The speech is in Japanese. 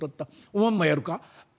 おまんまやるか？」。